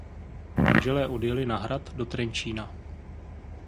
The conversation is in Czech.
Manželé odjeli na hrad do Trenčína.